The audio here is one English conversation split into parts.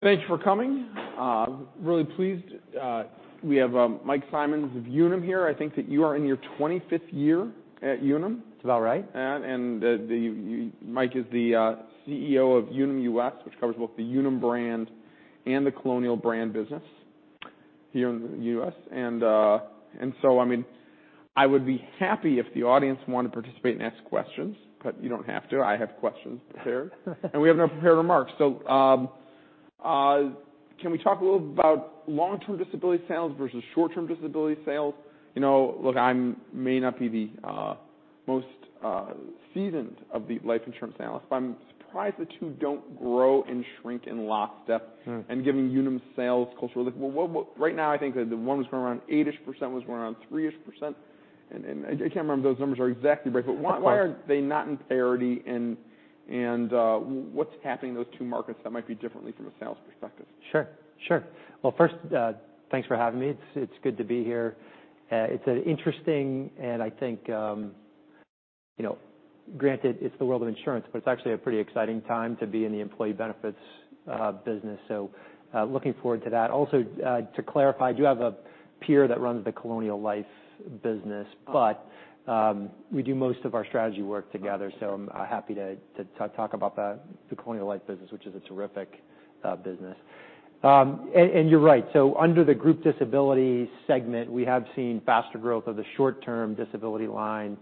Thanks for coming. Really pleased. We have Mike Simonds of Unum here. I think that you are in your 25th year at Unum. That's about right. Mike is the CEO of Unum US, which covers both the Unum brand and the Colonial brand business here in the U.S. I would be happy if the audience want to participate and ask questions, but you don't have to. I have questions prepared. We have no prepared remarks. Can we talk a little about Long-Term Disability sales versus short-term disability sales? Look, I may not be the most seasoned of the life insurance analysts, but I'm surprised the two don't grow and shrink in lockstep. Given Unum's sales culture, right now, I think that one was growing around 8%, one's growing around 3%. I can't remember if those numbers are exactly right. Close. why are they not in parity, and what's happening in those two markets that might be differently from a sales perspective? Sure. first, thanks for having me. It's good to be here. It's interesting, and I think, granted, it's the world of insurance, but it's actually a pretty exciting time to be in the employee benefits business, so looking forward to that. Also, to clarify, I do have a peer that runs the Colonial Life business. We do most of our strategy work together. Okay. I'm happy to talk about that, the Colonial Life business, which is a terrific business. You're right. Under the group disability segment, we have seen faster growth of the short-term disability line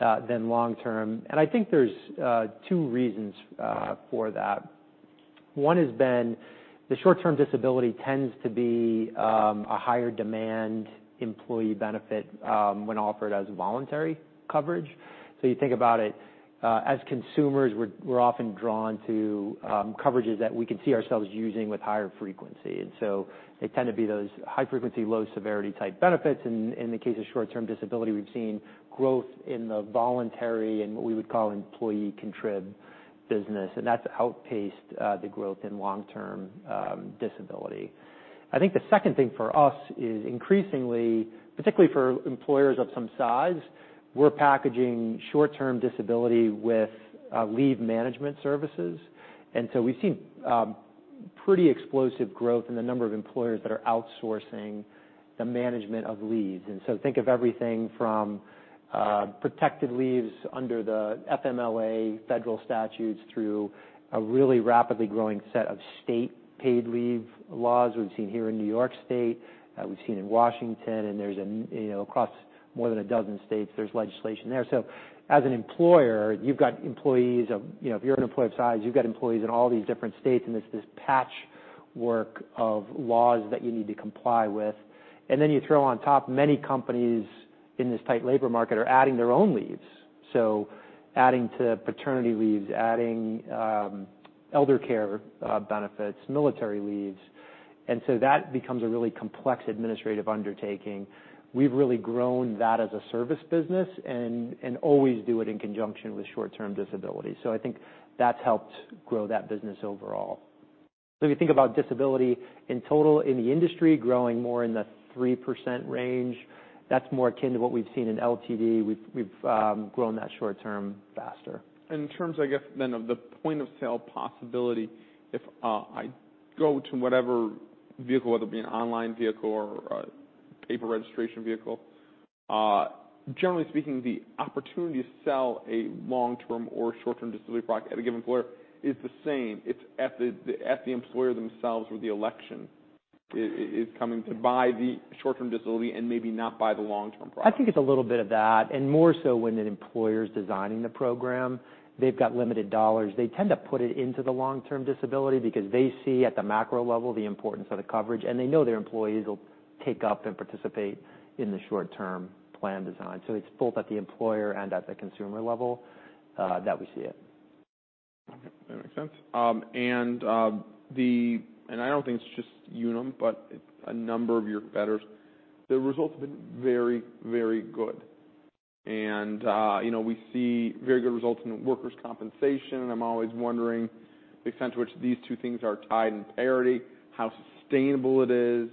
than Long-Term. I think there's two reasons for that. One has been the short-term disability tends to be a higher demand employee benefit when offered as voluntary coverage. You think about it, as consumers, we're often drawn to coverages that we can see ourselves using with higher frequency, and so they tend to be those high frequency, low severity type benefits. In the case of short-term disability, we've seen growth in the voluntary and what we would call employee contributory business, and that's outpaced the growth in Long-Term Disability. I think the second thing for us is increasingly, particularly for employers of some size, we're packaging short-term disability with leave management services. We've seen pretty explosive growth in the number of employers that are outsourcing the management of leaves. Think of everything from protected leaves under the FMLA federal statutes through a really rapidly growing set of state paid leave laws we've seen here in New York State, we've seen in Washington, and across more than 12 states, there's legislation there. As an employer, if you're an employer of size, you've got employees in all these different states, and there's this patchwork of laws that you need to comply with. Then you throw on top, many companies in this tight labor market are adding their own leaves, so adding to paternity leaves, adding elder care benefits, military leaves. That becomes a really complex administrative undertaking. We've really grown that as a service business and always do it in conjunction with short-term disability. I think that's helped grow that business overall. If you think about disability in total in the industry growing more in the 3% range, that's more akin to what we've seen in LTD. We've grown that short-term faster. In terms, I guess then, of the point-of-sale possibility, if I go to whatever vehicle, whether it be an online vehicle or a paper registration vehicle, generally speaking, the opportunity to sell a long-term or short-term disability product at a given employer is the same. It's at the employer themselves, where the election is coming to buy the short-term disability and maybe not buy the long-term product. I think it's a little bit of that, and more so when an employer's designing the program. They've got limited dollars. They tend to put it into the long-term disability because they see at the macro level the importance of the coverage, and they know their employees will take up and participate in the short-term plan design. It's both at the employer and at the consumer level that we see it. Okay. That makes sense. I don't think it's just Unum, but a number of your competitors, the results have been very good. We see very good results in workers' compensation, and I'm always wondering the extent to which these two things are tied in parity, how sustainable it is.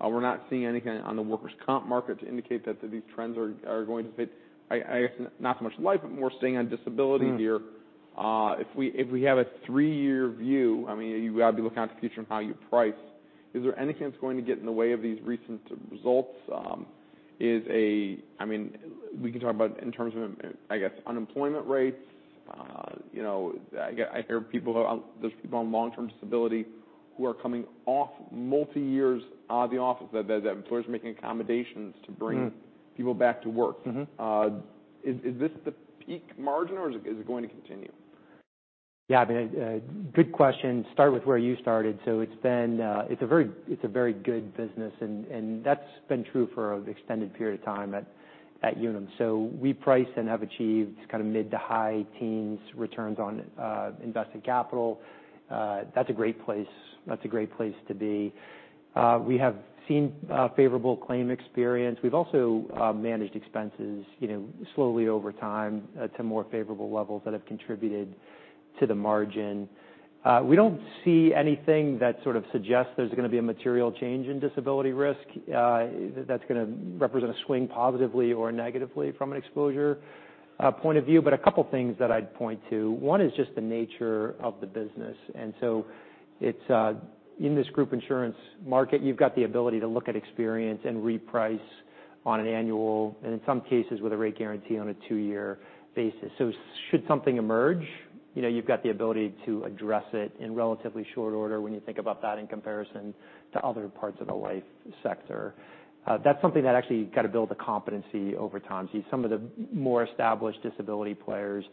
We're not seeing anything on the workers' comp market to indicate that these trends are going to fade. I guess not so much life, but more staying on disability here. If we have a three-year view, you've got to be looking out to the future on how you price. Is there anything that's going to get in the way of these recent results? We can talk about in terms of, I guess, unemployment rates. I hear there's people on long-term disability who are coming off multi-years of the office, that employers are making accommodations to bring people back to work. Is this the peak margin, or is it going to continue? Yeah. Good question. Start with where you started. It's a very good business, and that's been true for an extended period of time at Unum. We priced and have achieved mid to high teens returns on invested capital. That's a great place to be. We have seen favorable claim experience. We've also managed expenses slowly over time to more favorable levels that have contributed to the margin. We don't see anything that suggests there's going to be a material change in disability risk that's going to represent a swing positively or negatively from an exposure. Point of view, but a couple things that I'd point to. One is just the nature of the business. In this group insurance market, you've got the ability to look at experience and reprice on an annual, and in some cases, with a rate guarantee on a two-year basis. Should something emerge, you've got the ability to address it in relatively short order when you think about that in comparison to other parts of the life sector. That's something that actually you got to build a competency over time. See, some of the more established disability players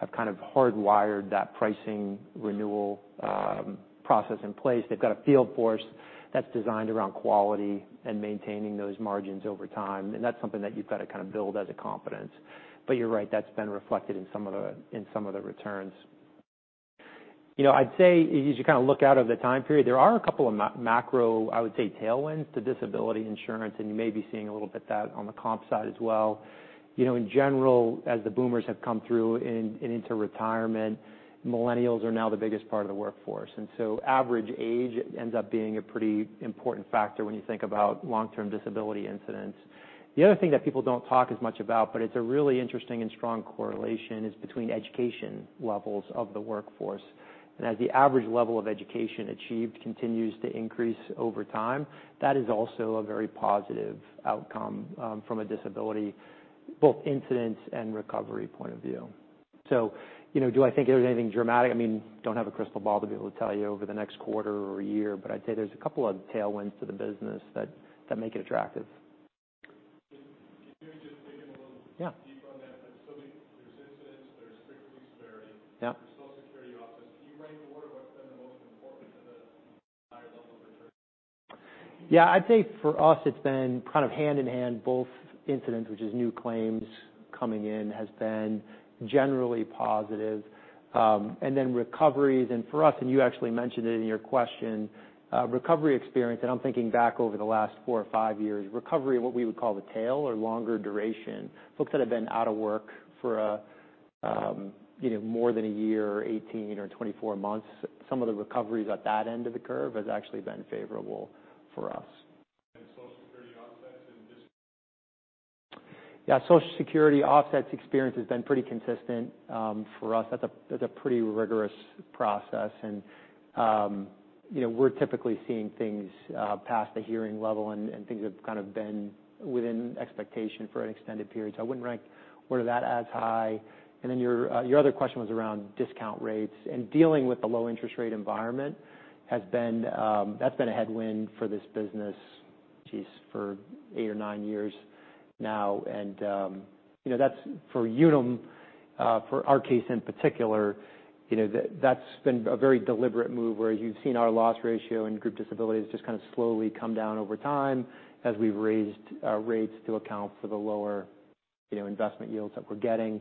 have hardwired that pricing renewal process in place. They've got a field force that's designed around quality and maintaining those margins over time, and that's something that you've got to build as a competence. You're right, that's been reflected in some of the returns. I'd say as you look out over the time period, there are a couple of macro, I would say, tailwinds to disability insurance, and you may be seeing a little bit that on the comp side as well. In general, as the boomers have come through and into retirement, millennials are now the biggest part of the workforce. Average age ends up being a pretty important factor when you think about Long-Term Disability incidents. The other thing that people don't talk as much about, but it's a really interesting and strong correlation, is between education levels of the workforce. As the average level of education achieved continues to increase over time, that is also a very positive outcome from a disability, both incidence and recovery point of view. Do I think there's anything dramatic? I don't have a crystal ball to be able to tell you over the next quarter or year, but I'd say there's a couple of tailwinds to the business that make it attractive. Can you just dig in a little- Yeah deeper on that? There's so many. There's incidents, there's strictly severity- Yeah there's Social Security offsets. Can you rank order what's been the most important to the higher level of return? I'd say for us, it's been hand-in-hand, both incidents, which is new claims coming in, has been generally positive. Recoveries, for us, you actually mentioned it in your question, recovery experience, I'm thinking back over the last four or five years, recovery of what we would call the tail or longer duration, folks that have been out of work for more than a year, 18 or 24 months, some of the recoveries at that end of the curve has actually been favorable for us. Social Security offsets in this- Yeah. Social Security offsets experience has been pretty consistent for us. That's a pretty rigorous process, and we're typically seeing things past the hearing level and things have been within expectation for an extended period. I wouldn't rank order that as high. Your other question was around discount rates, dealing with the low interest rate environment, that's been a headwind for this business, geez, for eight or nine years now. For Unum, for our case in particular, that's been a very deliberate move where you've seen our loss ratio and group disability has just slowly come down over time as we've raised our rates to account for the lower investment yields that we're getting.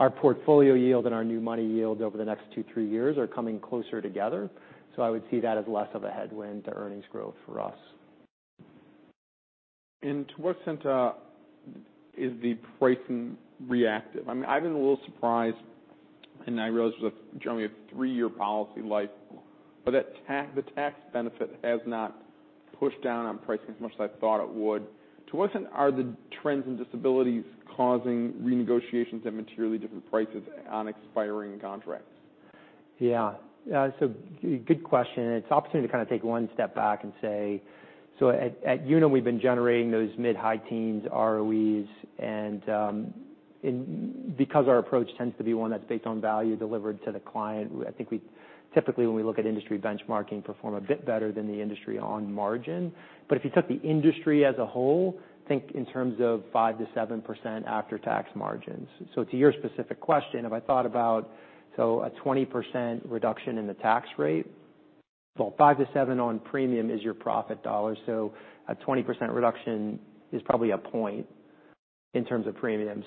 Our portfolio yield and our new money yield over the next two, three years are coming closer together. I would see that as less of a headwind to earnings growth for us. To what extent is the pricing reactive? I've been a little surprised, and I realize with generally a three-year policy life, but the tax benefit has not pushed down on pricing as much as I thought it would. To what extent are the trends in disabilities causing renegotiations at materially different prices on expiring contracts? Good question. It's an opportunity to take one step back and say, at Unum, we've been generating those mid high teens ROEs, and because our approach tends to be one that's based on value delivered to the client, I think we typically, when we look at industry benchmarking, perform a bit better than the industry on margin. If you took the industry as a whole, think in terms of 5%-7% after-tax margins. To your specific question, if I thought about, a 20% reduction in the tax rate. Well, 5%-7% on premium is your profit dollar, a 20% reduction is probably a point in terms of premium.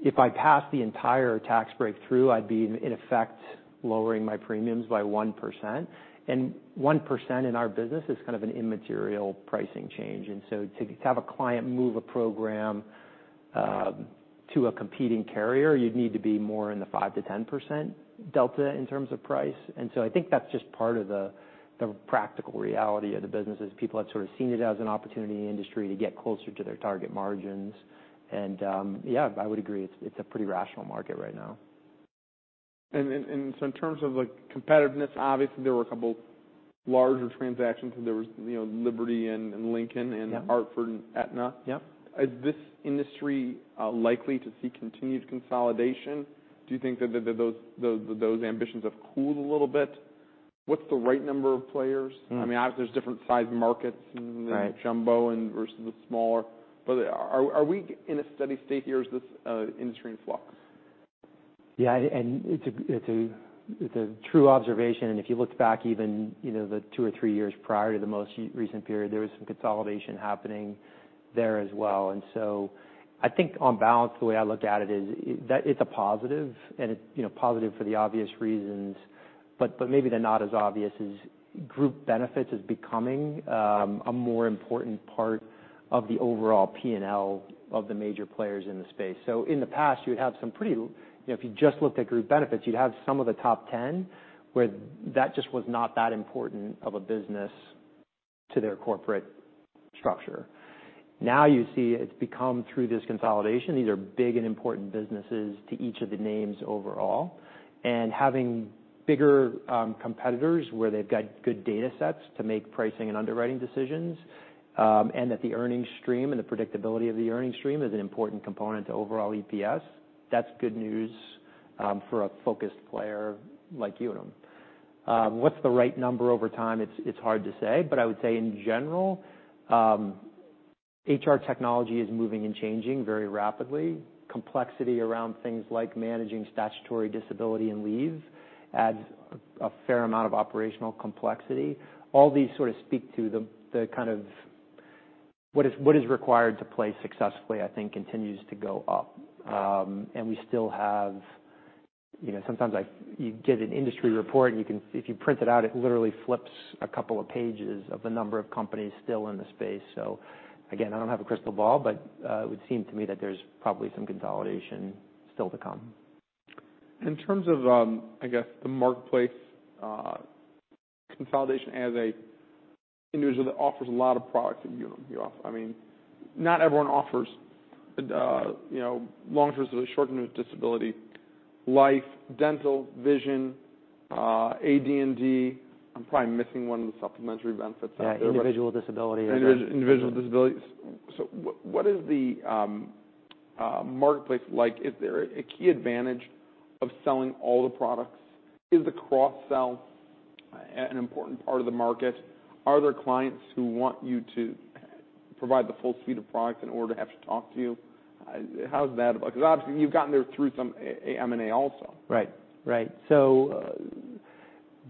If I pass the entire tax breakthrough, I'd be in effect lowering my premiums by 1%. 1% in our business is an immaterial pricing change. To have a client move a program to a competing carrier, you'd need to be more in the 5%-10% delta in terms of price. I think that's just part of the practical reality of the business is people have sort of seen it as an opportunity industry to get closer to their target margins. I would agree, it's a pretty rational market right now. In terms of the competitiveness, obviously there were a couple larger transactions. There was Liberty and Lincoln Yeah The Hartford and Aetna. Yeah. Is this industry likely to see continued consolidation? Do you think that those ambitions have cooled a little bit? What's the right number of players? I mean, obviously, there's different size markets. Right The jumbo versus the smaller. Are we in a steady state here? Is this industry in flux? Yeah. It's a true observation, if you looked back even the two or three years prior to the most recent period, there was some consolidation happening there as well. I think on balance, the way I look at it is that it's a positive, it's positive for the obvious reasons. Maybe they're not as obvious as group benefits is becoming a more important part of the overall P&L of the major players in the space. In the past, if you just looked at group benefits, you'd have some of the top 10, where that just was not that important of a business to their corporate structure. Now, you see it's become through this consolidation, these are big and important businesses to each of the names overall. Having bigger competitors where they've got good data sets to make pricing and underwriting decisions, that the earnings stream and the predictability of the earnings stream is an important component to overall EPS. That's good news for a focused player like Unum. What's the right number over time? It's hard to say, but I would say in general, HR technology is moving and changing very rapidly. Complexity around things like managing statutory disability and leave adds a fair amount of operational complexity. All these sort of speak to the kind of what is required to play successfully, I think, continues to go up. Sometimes you get an industry report, and if you print it out, it literally flips a couple of pages of the number of companies still in the space. Again, I don't have a crystal ball, it would seem to me that there's probably some consolidation still to come. In terms of, I guess the marketplace consolidation as an individual that offers a lot of products at Unum. Not everyone offers Long-Term Disability, short-term disability, life, dental, vision, AD&D. I'm probably missing one of the supplementary benefits out there. Yeah, individual disability. Individual disability. What is the marketplace like? Is there a key advantage of selling all the products? Is the cross-sell an important part of the market? Are there clients who want you to provide the full suite of products in order to have to talk to you? How's that look? Because obviously, you've gotten there through some M&A also. Right.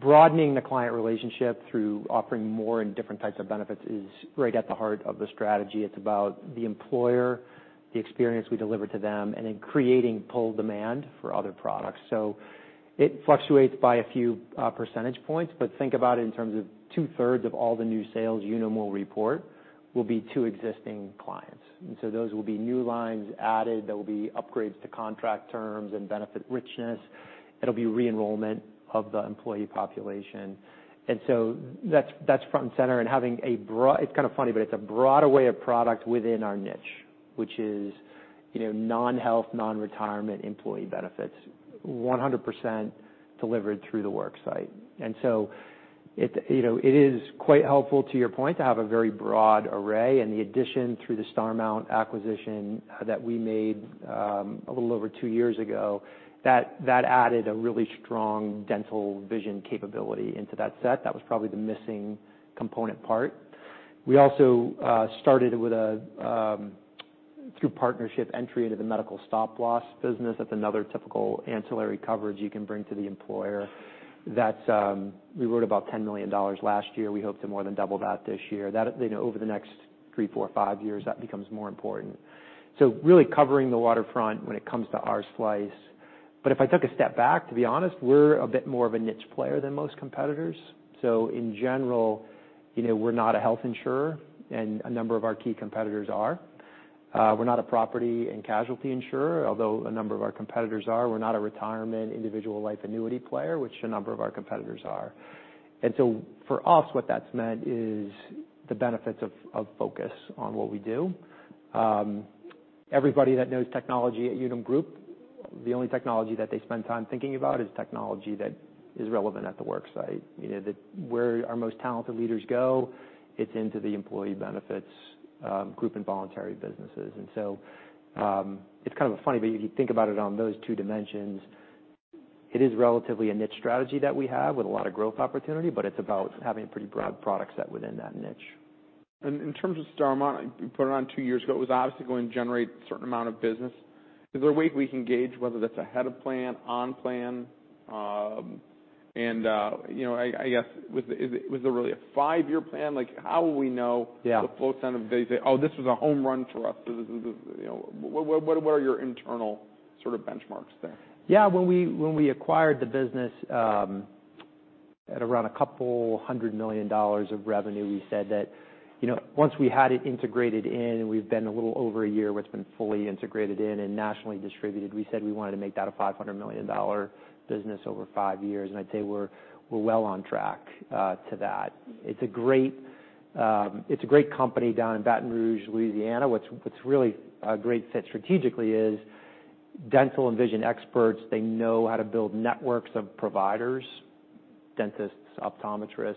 Broadening the client relationship through offering more and different types of benefits is right at the heart of the strategy. It's about the employer, the experience we deliver to them, and in creating pull demand for other products. It fluctuates by a few percentage points, but think about it in terms of two-thirds of all the new sales Unum will report will be two existing clients. Those will be new lines added. There will be upgrades to contract terms and benefit richness. It'll be re-enrollment of the employee population. That's front and center and having a broad, it's kind of funny, but it's a broad array of product within our niche. Which is non-health, non-retirement employee benefits, 100% delivered through the worksite. It is quite helpful, to your point, to have a very broad array and the addition through the Starmount acquisition that we made a little over two years ago, that added a really strong dental vision capability into that set. That was probably the missing component part. We also started with a through partnership entry into the medical stop loss business. That's another typical ancillary coverage you can bring to the employer. We wrote about $10 million last year. We hope to more than double that this year. Over the next three, four, five years, that becomes more important. Really covering the waterfront when it comes to our slice. If I took a step back, to be honest, we're a bit more of a niche player than most competitors. In general, we're not a health insurer, and a number of our key competitors are. We're not a property and casualty insurer, although a number of our competitors are. We're not a retirement individual life annuity player, which a number of our competitors are. For us, what that's meant is the benefits of focus on what we do. Everybody that knows technology at Unum Group, the only technology that they spend time thinking about is technology that is relevant at the worksite. Where our most talented leaders go, it's into the employee benefits, group, and voluntary businesses. It's kind of funny, but if you think about it on those two dimensions, it is relatively a niche strategy that we have with a lot of growth opportunity, but it's about having a pretty broad product set within that niche. In terms of Starmount, you put it on two years ago, it was obviously going to generate a certain amount of business. Is there a way we can gauge whether that's ahead of plan, on plan? I guess, was there really a five-year plan? Like, how will we know- Yeah the flow of business, say, "Oh, this was a home run for us." What are your internal sort of benchmarks there? Yeah. When we acquired the business, at around a couple hundred million dollars of revenue, we said that, once we had it integrated in, and we've been a little over a year, where it's been fully integrated in and nationally distributed, we said we wanted to make that a $500 million business over five years. I'd say we're well on track to that. It's a great company down in Baton Rouge, Louisiana. What's really a great fit strategically is dental and vision experts, they know how to build networks of providers, dentists, optometrists.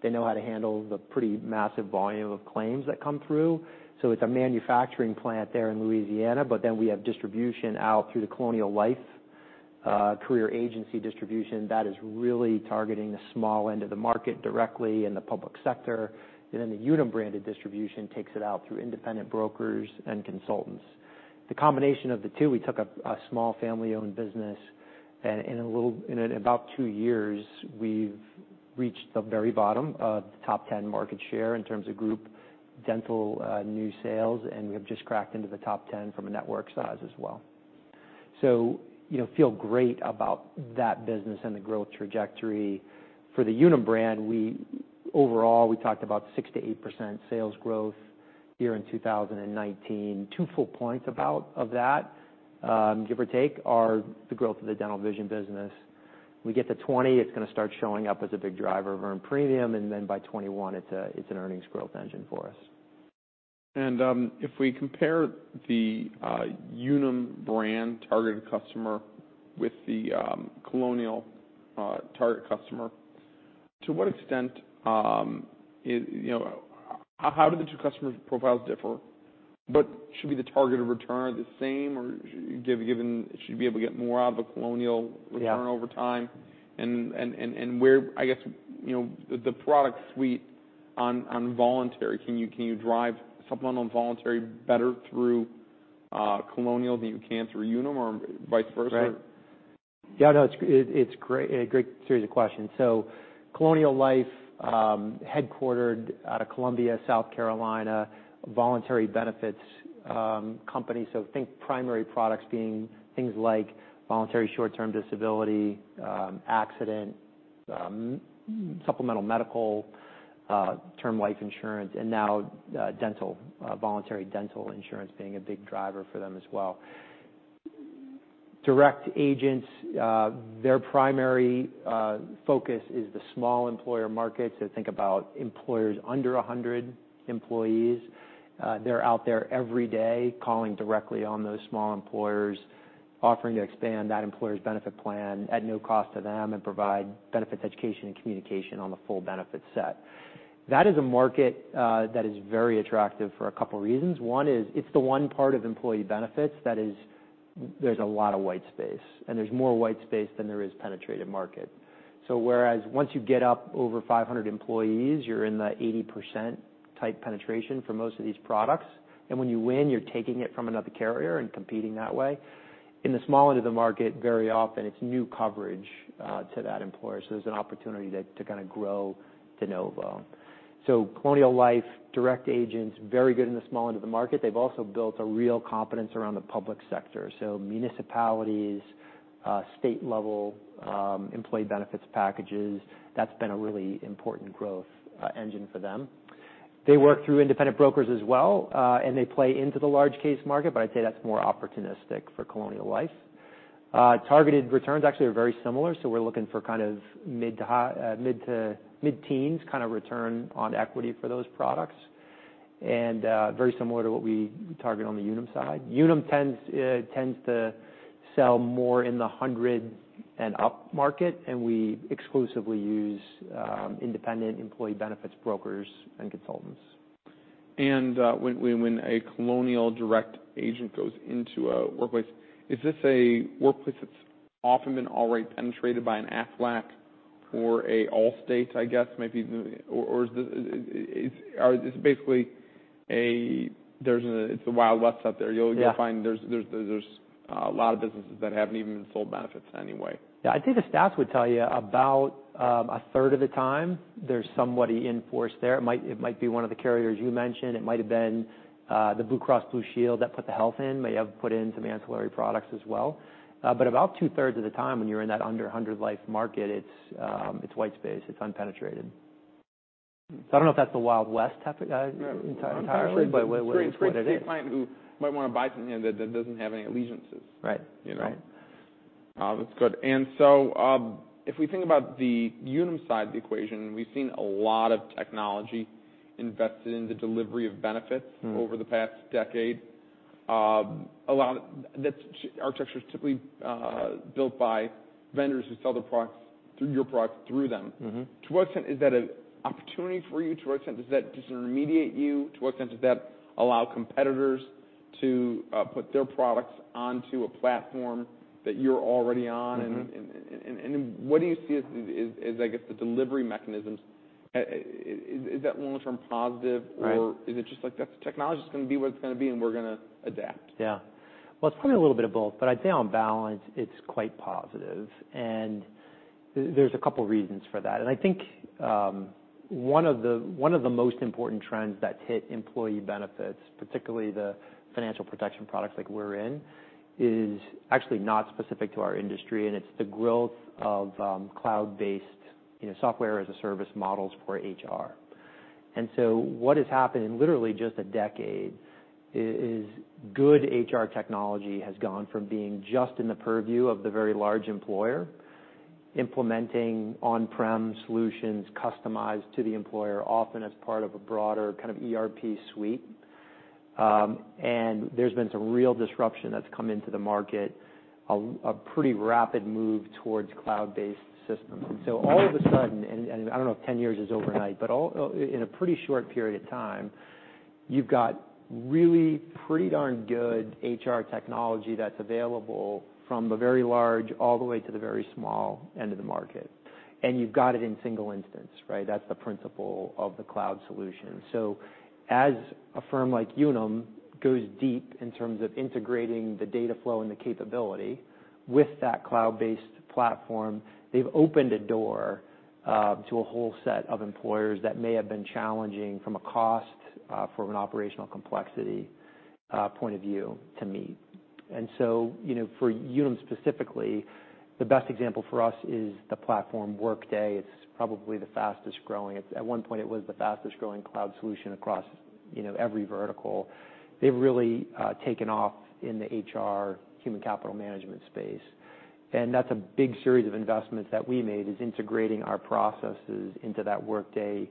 They know how to handle the pretty massive volume of claims that come through. It's a manufacturing plant there in Louisiana, but we have distribution out through the Colonial Life career agency distribution that is really targeting the small end of the market directly in the public sector. The Unum branded distribution takes it out through independent brokers and consultants. The combination of the two, we took a small family-owned business, and in about two years, we've reached the very bottom of the top 10 market share in terms of group dental new sales, and we have just cracked into the top 10 from a network size as well. Feel great about that business and the growth trajectory. For the Unum brand, overall, we talked about 6%-8% sales growth here in 2019. Two full points out of that, give or take, are the growth of the dental vision business. We get to 2020, it's going to start showing up as a big driver of earned premium, and then by 2021, it's an earnings growth engine for us. If we compare the Unum brand targeted customer with the Colonial targeted customer, how do the two customer profiles differ? Should be the targeted return the same? Or should you be able to get more out of a Colonial return Yeah over time? Where, I guess, the product suite on voluntary, can you drive supplemental and voluntary better through Colonial than you can through Unum or vice versa? Right. Yeah, no, it's a great series of questions. Colonial Life, headquartered out of Columbia, South Carolina, voluntary benefits company. Think primary products being things like voluntary short-term disability, accident, Supplemental Medical, Term Life Insurance, and now dental, Voluntary Dental Insurance being a big driver for them as well. Direct agents, their primary focus is the small employer markets. Think about employers under 100 employees. They're out there every day calling directly on those small employers, offering to expand that employer's benefit plan at no cost to them and provide benefits education and communication on the full benefit set. That is a market that is very attractive for a couple of reasons. One is, it's the one part of employee benefits that there's a lot of white space, and there's more white space than there is penetrated market. Whereas once you get up over 500 employees, you're in the 80% type penetration for most of these products. When you win, you're taking it from another carrier and competing that way. In the small end of the market, very often, it's new coverage to that employer. There's an opportunity to grow de novo. Colonial Life, direct agents, very good in the small end of the market. They've also built a real competence around the public sector. Municipalities, state-level employee benefits packages, that's been a really important growth engine for them. They work through independent brokers as well, and they play into the large case market, but I'd say that's more opportunistic for Colonial Life. Targeted returns actually are very similar, so we're looking for mid teens return on equity for those products, and very similar to what we target on the Unum side. Unum tends to sell more in the 100 and up market. We exclusively use independent employee benefits brokers and consultants. When a Colonial direct agent goes into a workplace, is this a workplace that's often been already penetrated by an Aflac or a Allstate, I guess? It's basically it's the Wild West out there. Yeah. You'll find there's a lot of businesses that haven't even sold benefits anyway. Yeah. I think the stats would tell you about a third of the time there's somebody in force there. It might be one of the carriers you mentioned. It might have been the Blue Cross Blue Shield that put the health in, may have put in some ancillary products as well. About two-thirds of the time, when you're in that under 100 life market, it's white space. It's unpenetrated. I don't know if that's the Wild West entirely, but that's what it is. No. I'm thinking of some very sophisticated client who might want to buy something that doesn't have any allegiances. Right. That's good. If we think about the Unum side of the equation, we've seen a lot of technology invested in the delivery of benefits- over the past decade. That architecture's typically built by vendors who sell their products, your product through them. To what extent is that an opportunity for you? To what extent does that disintermediate you? To what extent does that allow competitors to put their products onto a platform that you're already on? What do you see as, I guess, the delivery mechanisms? Is that long-term positive? Right Is it just like that's the technology, it's going to be what it's going to be, and we're going to adapt? Yeah. Well, it's probably a little bit of both, but I'd say on balance, it's quite positive. There's a couple of reasons for that. I think one of the most important trends that hit employee benefits, particularly the financial protection products like we're in, is actually not specific to our industry, and it's the growth of cloud-based software as a service models for HR. What has happened in literally just a decade is good HR technology has gone from being just in the purview of the very large employer, implementing on-prem solutions customized to the employer, often as part of a broader kind of ERP suite. There's been some real disruption that's come into the market, a pretty rapid move towards cloud-based systems. All of a sudden, I don't know if 10 years is overnight, but in a pretty short period of time, you've got really pretty darn good HR technology that's available from the very large all the way to the very small end of the market. You've got it in single instance, right? That's the principle of the cloud solution. As a firm like Unum goes deep in terms of integrating the data flow and the capability with that cloud-based platform, they've opened a door to a whole set of employers that may have been challenging from a cost, from an operational complexity point of view to meet. For Unum specifically, the best example for us is the platform Workday. It's probably the fastest-growing. At one point, it was the fastest-growing cloud solution across every vertical. They've really taken off in the HR human capital management space. That's a big series of investments that we made, is integrating our processes into that Workday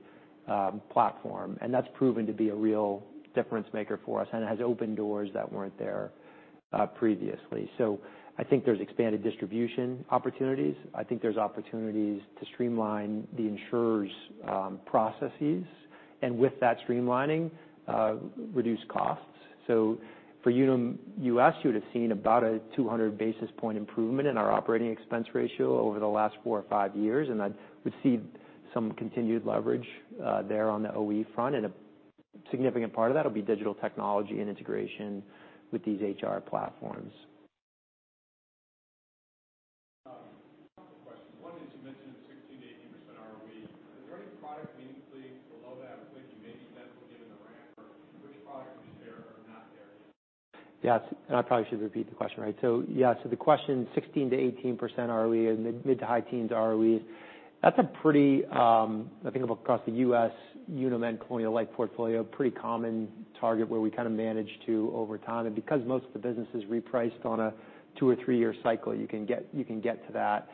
platform. That's proven to be a real difference maker for us, and it has opened doors that weren't there previously. I think there's expanded distribution opportunities. I think there's opportunities to streamline the insurer's processes, and with that streamlining, reduce costs. For Unum US, you would've seen about a 200 basis point improvement in our operating expense ratio over the last four or five years. I would see some continued leverage there on the OE front, and a significant part of that will be digital technology and integration with these HR platforms. A couple questions. One is you mentioned the 16% to 18% ROE. Is there any product meaningfully below that which you may be dental given the ramp or which products are there or not there yet? Yes. I probably should repeat the question, right? Yeah. The question 16% to 18% ROE and mid to high teens ROE, that's a pretty, I think across the U.S., Unum and Colonial Life portfolio, pretty common target where we kind of manage to over time. Because most of the business is repriced on a two or three-year cycle, you can get to that.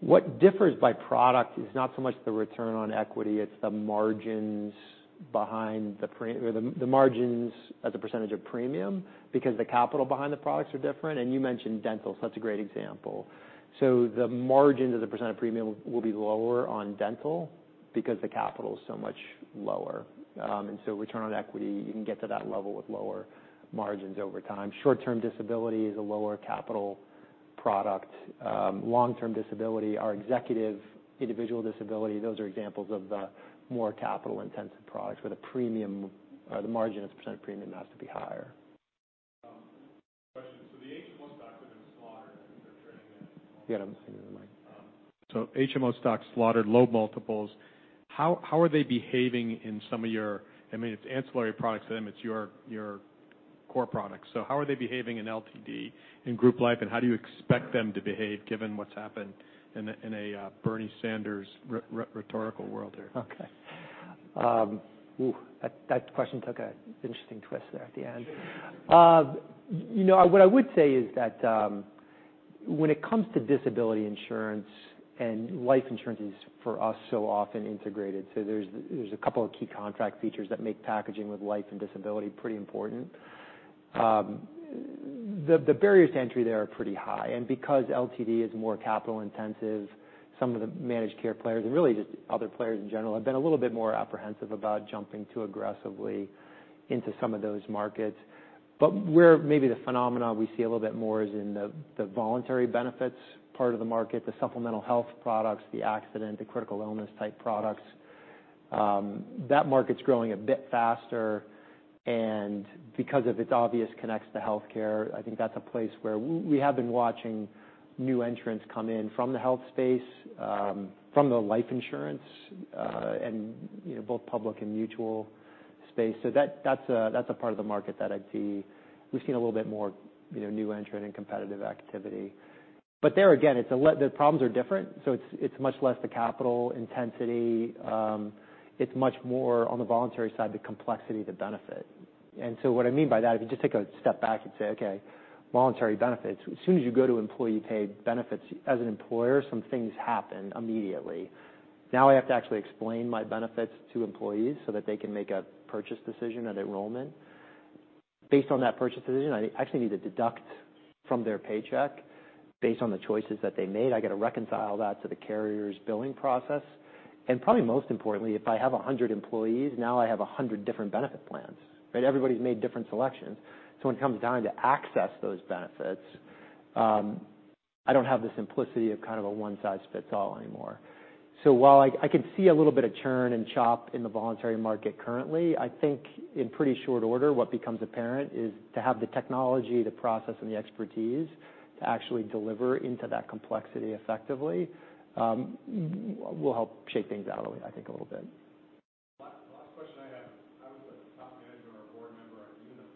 What differs by product is not so much the return on equity, it's the margins as a percentage of premium because the capital behind the products are different. You mentioned dental, that's a great example. The margins as a percent of premium will be lower on dental because the capital is so much lower. Return on equity, you can get to that level with lower margins over time. Short-term disability is a lower capital product. Long-Term Disability, our Executive Individual Disability, those are examples of the more capital-intensive products where the margin as a percent of premium has to be higher. Question. The HMO stocks have been slaughtered as they're trading at- You got to speak in the mic. HMO stocks slaughtered, low multiples. How are they behaving in some of your, I mean, it's ancillary products to them, it's your core products. How are they behaving in LTD in Group Life, and how do you expect them to behave given what's happened in a Bernie Sanders rhetorical world here? Okay. Ooh, that question took an interesting twist there at the end. What I would say is that when it comes to disability insurance and life insurance is for us, so often integrated. There's a couple of key contract features that make packaging with life and disability pretty important. The barriers to entry there are pretty high. And because LTD is more capital intensive, some of the managed care players and really just other players in general, have been a little bit more apprehensive about jumping too aggressively into some of those markets. But where maybe the phenomena we see a little bit more is in the voluntary benefits part of the market, the supplemental health products, the accident, the critical illness type products. That market's growing a bit faster, because of its obvious connects to healthcare, I think that's a place where we have been watching new entrants come in from the health space, from the life insurance, and both public and mutual space. That's a part of the market that I'd see we've seen a little bit more new entrant and competitive activity. There again, the problems are different so it's much less the capital intensity, it's much more on the voluntary side, the complexity, the benefit. What I mean by that, if you just take a step back and say, okay, voluntary benefits. As soon as you go to employee paid benefits as an employer, some things happen immediately. Now I have to actually explain my benefits to employees so that they can make a purchase decision at enrollment. Based on that purchase decision, I actually need to deduct from their paycheck based on the choices that they made. I got to reconcile that to the carrier's billing process. Probably most importantly, if I have 100 employees, now I have 100 different benefit plans, right? Everybody's made different selections. When it comes time to access those benefits, I don't have the simplicity of kind of a one-size-fits-all anymore. While I could see a little bit of churn and chop in the voluntary market currently, I think in pretty short order, what becomes apparent is to have the technology, the process, and the expertise to actually deliver into that complexity effectively will help shape things out a way, I think a little bit. Last question I have. If I was a top manager or a board member at Unum,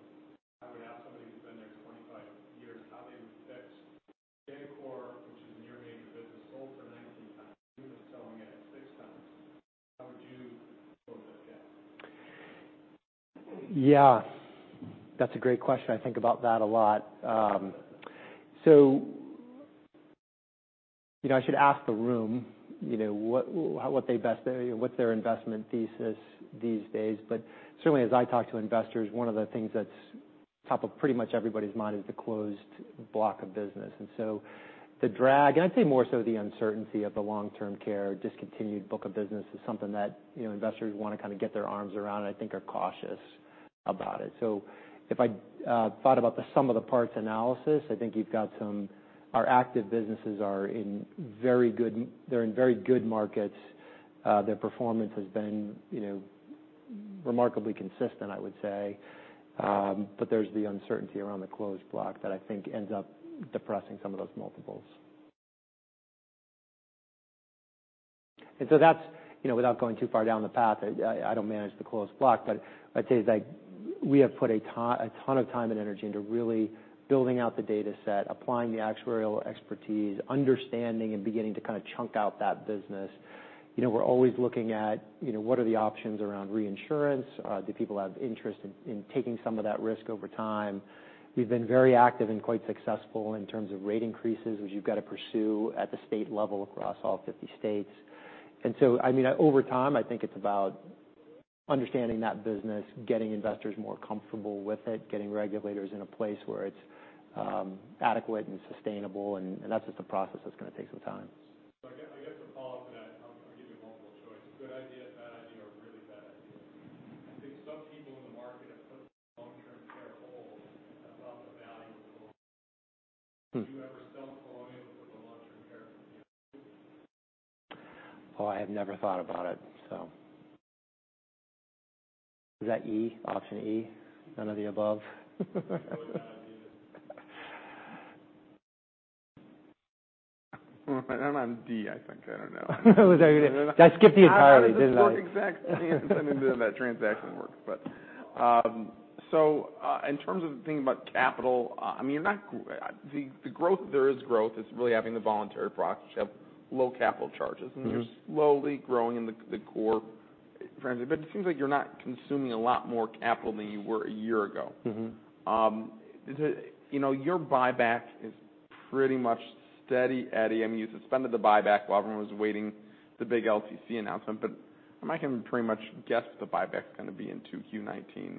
I would ask somebody who's been there 25 years how they would fix Dacor, which is near major business sold for 19 times. Unum is selling it at six times. How would you close that gap? Yeah. That's a great question. I think about that a lot. I should ask the room, what their investment thesis these days. Certainly as I talk to investors, one of the things that's top of pretty much everybody's mind is the closed block of business. The drag, and I'd say more so the uncertainty of the long-term care discontinued book of business is something that investors want to kind of get their arms around and I think are cautious about it. If I thought about the sum of the parts analysis, I think you've got some Our active businesses, they're in very good markets. Their performance has been remarkably consistent, I would say. There's the uncertainty around the closed block that I think ends up depressing some of those multiples. That's, without going too far down the path, I don't manage the closed block, but I'd say as we have put a ton of time and energy into really building out the data set, applying the actuarial expertise, understanding and beginning to chunk out that business. We're always looking at what are the options around reinsurance. Do people have interest in taking some of that risk over time? We've been very active and quite successful in terms of rate increases, which you've got to pursue at the state level across all 50 states. Over time, I think it's about understanding that business, getting investors more comfortable with it, getting regulators in a place where it's adequate and sustainable, and that's just a process that's going to take some time. I guess a follow-up to that, I'll give you multiple choice. Good idea, bad idea, or really bad idea. I think some people in the market have put long-term care hold about the value of the hold. Would you ever sell Polloi for the long-term care business? Oh, I have never thought about it. Is that E, option E? None of the above? It's a really bad idea. I'm D, I think. I don't know. Was that you? I skipped you entirely, didn't I? It doesn't work exactly. Doing that transaction work. In terms of thinking about capital, there is growth. It's really having the voluntary products, which have low capital charges. You're slowly growing in the core, frankly. It seems like you're not consuming a lot more capital than you were a year ago. Your buyback is pretty much steady Eddie. You suspended the buyback while everyone was awaiting the big LTC announcement, but I can pretty much guess the buyback's going to be into Q 2019.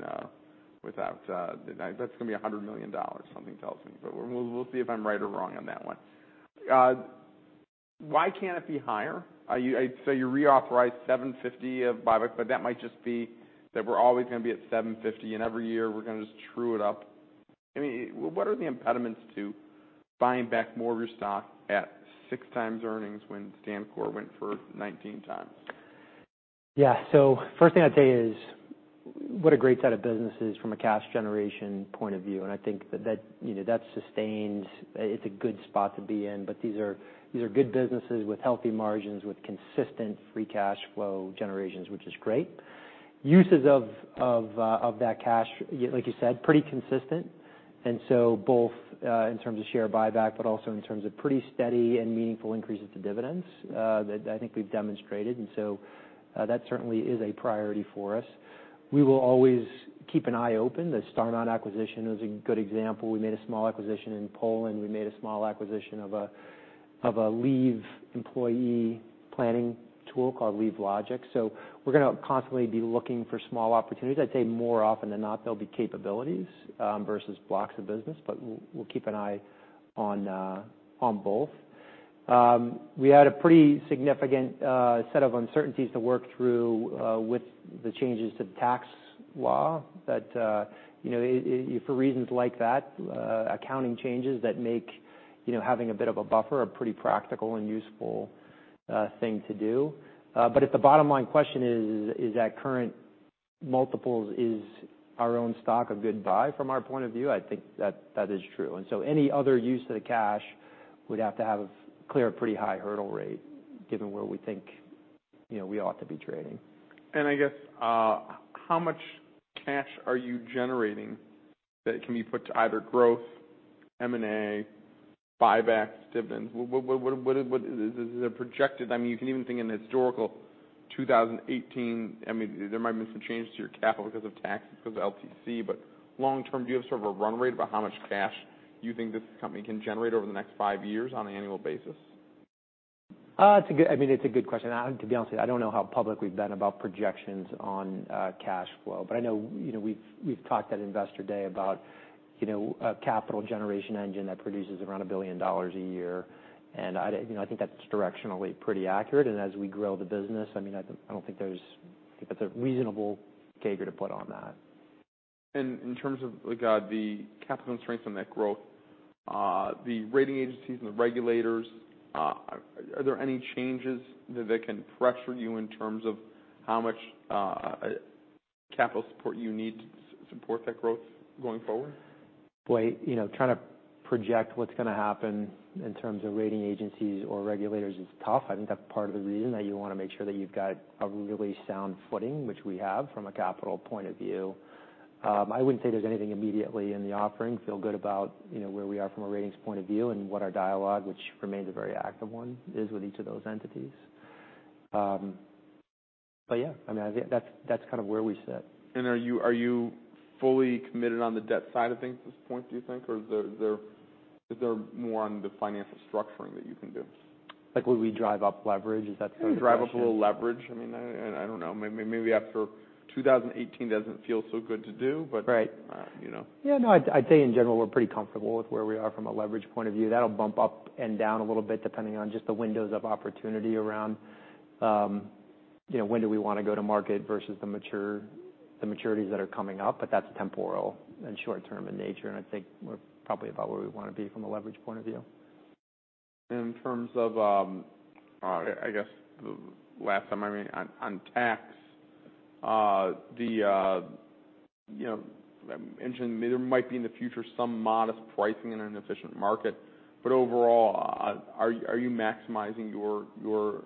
That's going to be $100 million, something tells me. We'll see if I'm right or wrong on that one. Why can't it be higher? You reauthorized $750 of buyback, but that might just be that we're always going to be at $750, and every year we're going to just true it up. What are the impediments to buying back more of your stock at six times earnings when StanCorp went for 19 times? Yeah. First thing I'd say is what a great set of businesses from a cash generation point of view, and I think that's sustained. It's a good spot to be in. These are good businesses with healthy margins, with consistent free cash flow generations, which is great. Uses of that cash, like you said, pretty consistent. Both in terms of share buyback, but also in terms of pretty steady and meaningful increases to dividends that I think we've demonstrated. That certainly is a priority for us. We will always keep an eye open. The Starmount acquisition is a good example. We made a small acquisition in Poland. We made a small acquisition of a leave employee planning tool called LeaveLogic. We're going to constantly be looking for small opportunities. I'd say more often than not, they'll be capabilities versus blocks of business, but we'll keep an eye on both. We had a pretty significant set of uncertainties to work through with the changes to the tax law. For reasons like that, accounting changes that make having a bit of a buffer a pretty practical and useful thing to do. If the bottom line question is that current multiples is our own stock a good buy from our point of view, I think that is true. Any other use of the cash would have to have a clear, pretty high hurdle rate given where we think we ought to be trading. I guess how much cash are you generating that can be put to either growth, M&A, buybacks, dividends? Is it a projected? You can even think in historical 2018. There might have been some changes to your capital because of taxes, because of LTC. Long term, do you have sort of a run rate about how much cash you think this company can generate over the next five years on an annual basis? It's a good question. To be honest with you, I don't know how public we've been about projections on cash flow. I know we've talked at Investor Day about a capital generation engine that produces around $1 billion a year. I think that's directionally pretty accurate. As we grow the business, I think that's a reasonable CAGR to put on that. In terms of the capital constraints on that growth, the rating agencies and the regulators, are there any changes that they can pressure you in terms of how much capital support you need to support that growth going forward? Boy, trying to project what's going to happen in terms of rating agencies or regulators is tough. I think that's part of the reason that you want to make sure that you've got a really sound footing, which we have from a capital point of view. I wouldn't say there's anything immediately in the offering. Feel good about where we are from a ratings point of view and what our dialogue, which remains a very active one, is with each of those entities. Yeah. That's kind of where we sit. Are you fully committed on the debt side of things at this point, do you think? Is there more on the financial structuring that you can do? Like would we drive up leverage? Is that sort of the question? Maybe drive up a little leverage. I don't know. Maybe after 2018 doesn't feel so good to do. Right you know. Yeah, no, I'd say in general, we're pretty comfortable with where we are from a leverage point of view. That'll bump up and down a little bit, depending on just the windows of opportunity around when do we want to go to market versus the maturities that are coming up, but that's temporal and short term in nature, and I think we're probably about where we want to be from a leverage point of view. In terms of, I guess the last time, I mean, on tax. You mentioned there might be in the future some modest pricing in an efficient market. Overall, are you maximizing your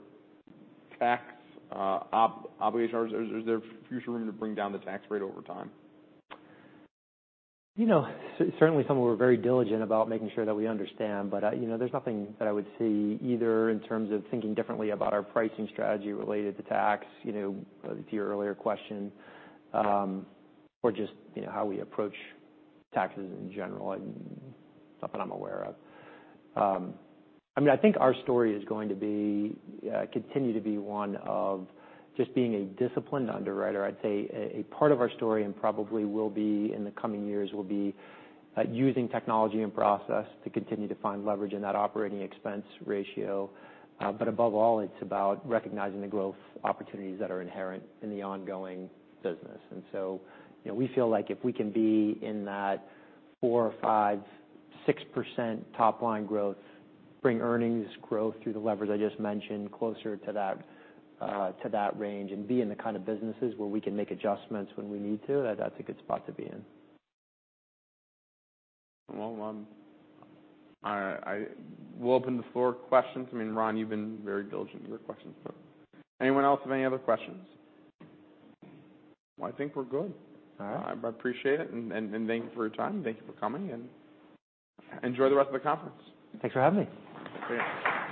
tax obligation, or is there future room to bring down the tax rate over time? Certainly, some of we're very diligent about making sure that we understand. There's nothing that I would see either in terms of thinking differently about our pricing strategy related to tax, to your earlier question, or just how we approach taxes in general. Nothing I'm aware of. I think our story is going to continue to be one of just being a disciplined underwriter. I'd say a part of our story, and probably will be in the coming years, will be using technology and process to continue to find leverage in that operating expense ratio. Above all, it's about recognizing the growth opportunities that are inherent in the ongoing business. We feel like if we can be in that 4% or 5%, 6% top-line growth, bring earnings growth through the levers I just mentioned closer to that range, and be in the kind of businesses where we can make adjustments when we need to, that's a good spot to be in. Well, we'll open the floor to questions. Ron, you've been very diligent with your questions, but anyone else have any other questions? Well, I think we're good. All right. I appreciate it, and thank you for your time. Thank you for coming, and enjoy the rest of the conference. Thanks for having me. Great. Great. Thank you very much.